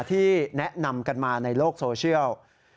ที่แนะนำกันมาในโลกโซเชียล